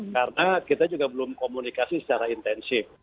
karena kita juga belum komunikasi secara intensif